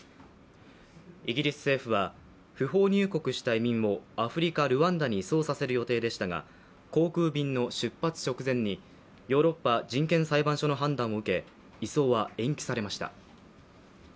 イギリス政府は不法入国した移民をアフリカ・ルワンダに移送させる予定でしたが航空便の出発直前にヨーロッパ人権裁判所の判断を受け移送は延期されました。